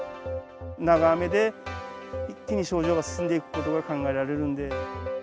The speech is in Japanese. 長雨で、一気に症状が進んでいくことが考えられるんで。